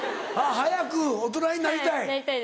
早く大人になりたい？